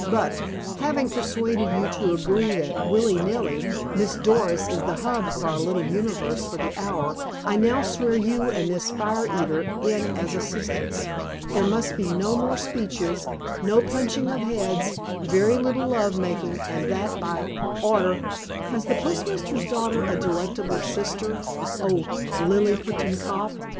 But, having persuaded you to agree that, willy nilly, Miss Doris is the hub of our little universe for the hour, I now swear you and this fire eater in as assistants. There must be no more speeches, no punching of heads, very little love making, and that by order—" "Has the postmaster's daughter a delectable sister, O Liliputian cop?"